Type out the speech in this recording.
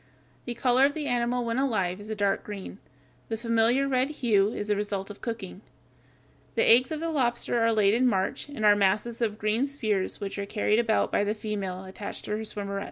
The color of the animal when alive is a dark green. The familiar red hue is the result of cooking. The eggs of the lobster are laid in March, and are masses of green spheres which are carried about by the female attached to her swimmerets.